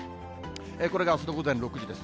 これがあすの午前６時です。